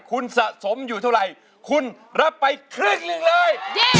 คุณสะสมอยู่เท่าไหร่คุณรับไปครึ่งหนึ่งเลย